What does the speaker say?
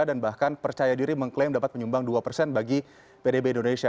dan bahkan percaya diri mengklaim dapat menyumbang dua bagi pdb indonesia